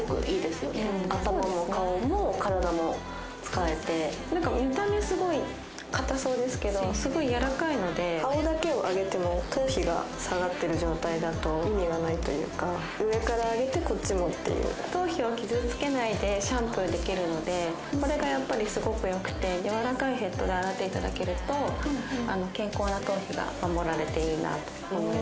使えて何か見た目すごい硬そうですけどすごいやわらかいので顔だけを上げても上から上げてこっちもっていう頭皮を傷つけないでシャンプーできるのでこれがやっぱりすごくよくてやわらかいヘッドで洗っていただけると健康な頭皮が守られていいなと思います